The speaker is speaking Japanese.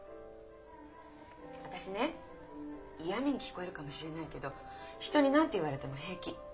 私ね嫌みに聞こえるかもしれないけど人に何て言われても平気。